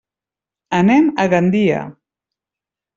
Anem a Gandia.